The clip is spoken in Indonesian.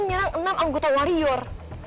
nyerang enam anggota warior